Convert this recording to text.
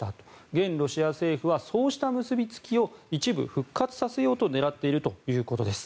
現ロシア政府はそうした結びつきを一部復活させようと狙っているということです。